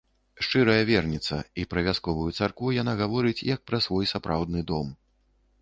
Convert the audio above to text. Шчырая верніца, і пра вясковую царкву яна гаворыць як пра свой сапраўдны дом.